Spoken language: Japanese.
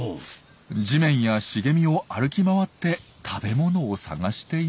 地面や茂みを歩き回って食べ物を探しています。